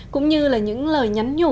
cũng như là những lời nhắn nhủ